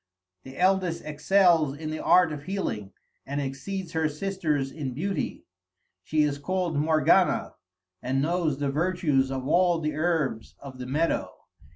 The eldest excels in the art of healing, and exceeds her sisters in beauty. She is called Morgana, and knows the virtues of all the herbs of the meadow.